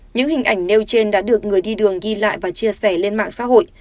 những hình ảnh nêu trên đã được người đi đường ghi lại và chia sẻ lên mạng xã hội